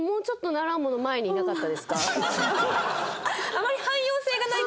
あんまり。